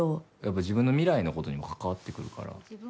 自分の未来のことに関わってくるから。